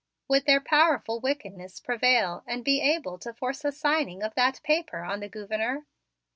Would their powerful wickedness prevail and be able to force a signing of that paper on the Gouverneur?